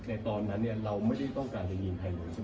ในตอนนั้นเนี่ยเราไม่ได้ต้องการจะยิงไทยเลยใช่ไหม